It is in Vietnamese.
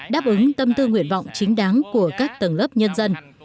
đáp ứng tâm tư nguyện vọng chính đáng của các tầng lớp nhân dân